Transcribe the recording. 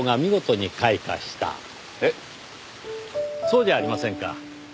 そうじゃありませんか。